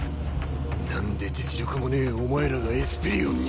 何で実力もねえお前らがエスペリオンに。